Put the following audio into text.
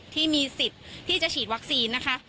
ที่มีสิทธิ์ที่จะฉีดวัคซีนนะคะ